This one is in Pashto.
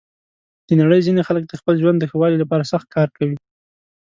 د نړۍ ځینې خلک د خپل ژوند د ښه والي لپاره سخت کار کوي.